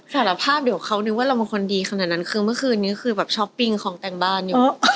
สารภาพเดี๋ยวเขานึกว่าเราเป็นคนดีขนาดนั้นคือเมื่อคืนนี้คือแบบช้อปปิ้งของแต่งบ้านอยู่